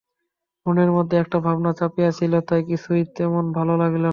মনের মধ্যে একট ভাবনা চাপিয়া ছিল, তাই কিছুই তেমন ভাল লাগিল না।